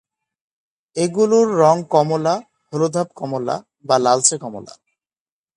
এগুলোর রঙ কমলা, হলুদাভ-কমলা বা লালচে-কমলা।